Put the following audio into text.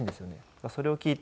それを聞いて。